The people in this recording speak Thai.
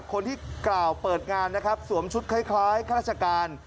คนที่กล่าวเปิดงานนะครับสวมชุดคล้ายข้าราชการ